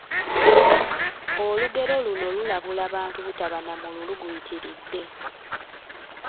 Olugero luno lulabula bantu butaba na mululu guyitiridde